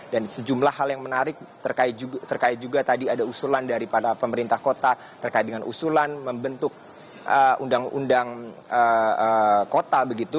dan sejumlah hal yang menarik terkait juga tadi ada usulan daripada pemerintah kota terkait dengan usulan membentuk undang undang kota begitu